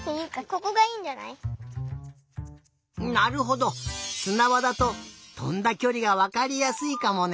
なるほどすなばだととんだきょりがわかりやすいかもね。